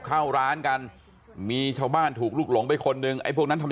เข้าร้านกันมีชาวบ้านถูกลุกหลงไปคนนึงไอ้พวกนั้นทำ